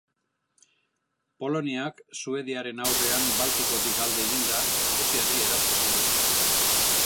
Poloniak, Suediaren aurrean Baltikotik alde eginda, Errusiari eraso zion.